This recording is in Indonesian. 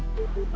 gak ada apa apa